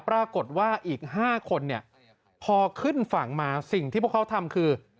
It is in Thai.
ปรากฏว่าอีก๕คนเนี่ยพอขึ้นฝั่งมาสิ่งที่พวกเขาทำคือ